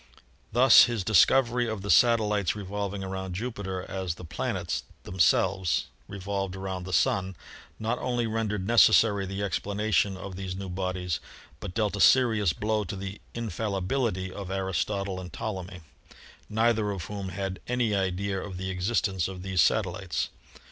Thus his discovery of the satellites revolving around Jupiter as the planets themselves revolved around the Sun not only rendered necessary the explanation of these new bodies, but dealt a serious blow at the infallibility of Aristotle and Ptolemy, neither of whom had any idea of the existence of these satellites.